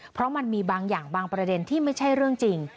เพราะมันมีบางอย่างบางประเด็นที่ไม่ใช่เรื่องจริง